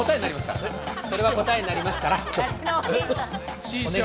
それは答えになりますから、師匠。